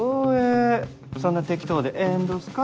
そんな適当でええんどすか？